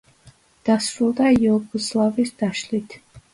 დასრულდა იუგოსლავიის დაშლით.